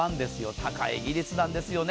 高い技術なんですよね。